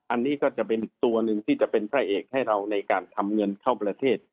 อันนี้ก็จะเป็นตัวหนึ่งที่จะเป็นพระเอกให้เราในการทำเงินเข้าประเทศ